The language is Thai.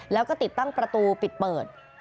แล้วก็ติดตั้งประตูปิดเปิด